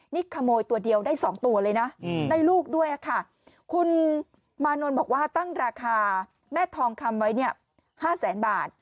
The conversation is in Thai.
นี่ขโมยตัวเดียวได้๒ตัวเลยนะได้ลูกด้วยค่ะคุณมานนท์บอกว่าตั้งราคาแม่ทองคำไว้เนี่ย๕แสนบาท